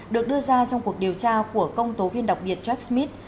được đưa ra trong cuộc điều tra của công tố viên đặc biệt jack smith